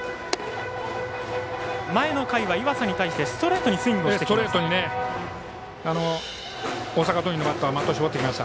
前の回は岩佐に対してストライクのストレートをスイングをしてきました。